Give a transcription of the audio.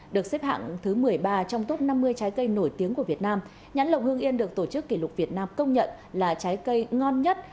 được xếp hạng thứ một mươi ba trong top năm mươi trái cây nổi tiếng của việt nam nhãn lồng hương yên được tổ chức kỷ lục việt nam công nhận là trái cây ngon nhất